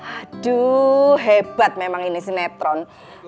aduh hebat memang ini sinetron